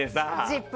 「ＺＩＰ！」